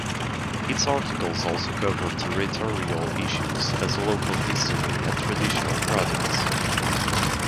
Its articles also cover territorial issues as local history and traditional products.